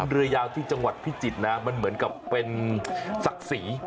เรือยาวที่จังหวัดพิจิตรนะมันเหมือนกับเป็นศักดิ์ศรี